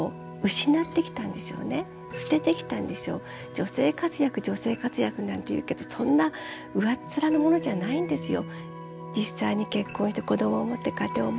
女性活躍女性活躍なんていうけどそんな上っ面なものじゃないんですよ。